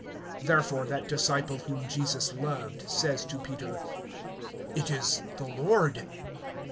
(7)Therefore that disciple whom Jesus loved says to Peter: It is the Lord.